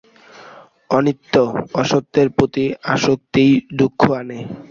অনিত্য অসত্যের প্রতি আসক্তিই দুঃখ আনে।